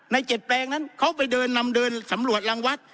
ใน๗แปลงนั้นเขาไปเดินนำเดินสำรวจรังวัด